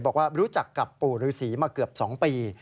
บอกว่ารู้จักกับปู่ฤษีมาเกือบ๒ปี